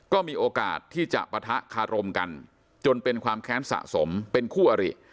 ก็มีโอกาสที่จะปะทะคารมกันจนเป็นความแค้นสะสมเป็นคู่อริ